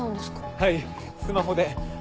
はいスマホで。